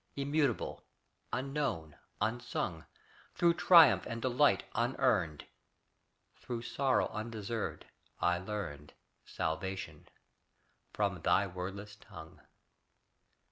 Immutable, unknown, unsung, Through triumph and delight unearned, Through sorrow undeserved, I learned Salvation from thy wordless tongue.